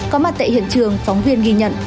có mặt tại hiện trường phóng viên ghi nhận